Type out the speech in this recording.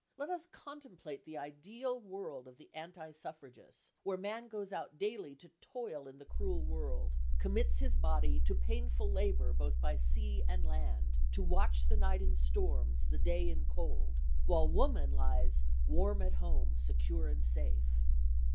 Let us contemplate the ideal world of the anti suffragist, where man goes out daily to his toil in the cruel world— "commits his body To painful labour, both by sea and land, To watch the night in storms, the day in cold," while woman lies "warm at home, secure and safe."